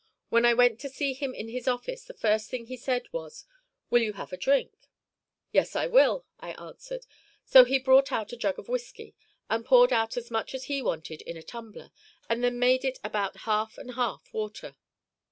When I went to see him in his office, the first thing he said was: "Will you have a drink?" "Yes, I will," I answered. So he brought out a jug of whisky and poured out as much as he wanted in a tumbler, and then made it about half and half water.